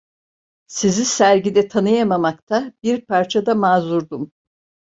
Sizi sergide tanıyamamakta bir parça da mazurdum!